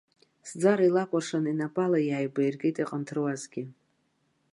Сӡара илакәыршан инапала иааибаиркит иҟанҭаруазгьы.